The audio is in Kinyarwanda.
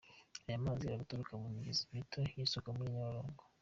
Aya mazi ari guturuka mu migezi mito yisuka muri Nyabarongo.